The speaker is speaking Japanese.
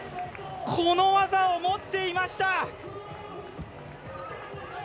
この技を持っていました！